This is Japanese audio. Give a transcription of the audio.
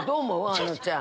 あのちゃん。